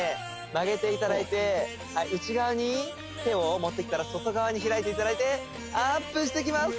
曲げていただいて内側に手を持っていったら外側に開いていただいてアップしていきます